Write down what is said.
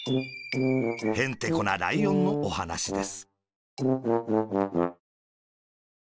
へんてこなライオンのおはなしです。